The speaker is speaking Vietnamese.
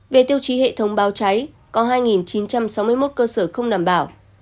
về tiêu chí hệ thống báo cháy có hai chín trăm sáu mươi một cơ sở không đảm bảo